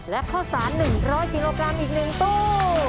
และข้าวสาร๑๐๐กิโลกรัมอีก๑ตู้